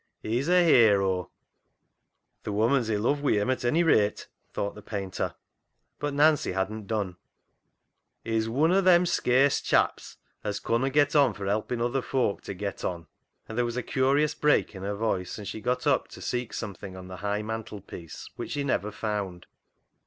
He's a hero !"" Th' woman's i' luv wi' him at ony rate," thought the painter. But Nancy hadn't done. " He's wun o' them scarce chaps as conna get on for helpin' other folk ta get on." And there was a curious break in her voice, and she got up to seek something on the high mantel piece which she never found.